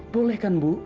boleh kan bu